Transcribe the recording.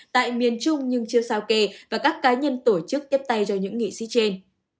tại miền trung nhưng chưa sao kề và các cá nhân tổ chức tiếp tay cho những nghị sĩ trên